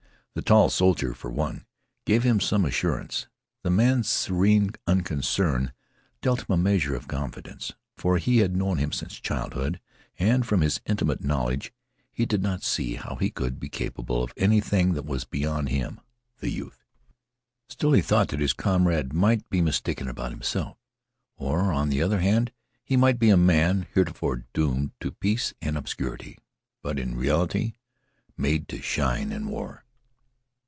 The tall soldier, for one, gave him some assurance. This man's serene unconcern dealt him a measure of confidence, for he had known him since childhood, and from his intimate knowledge he did not see how he could be capable of anything that was beyond him, the youth. Still, he thought that his comrade might be mistaken about himself. Or, on the other hand, he might be a man heretofore doomed to peace and obscurity, but, in reality, made to shine in war.